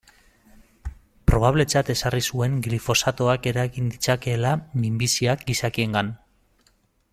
Probabletzat ezarri zuen glifosatoak eragin ditzakeela minbiziak gizakiengan.